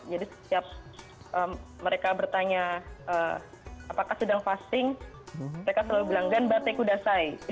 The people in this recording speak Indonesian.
jadi setiap mereka bertanya apakah sedang fasting mereka selalu bilang ganbate kudasai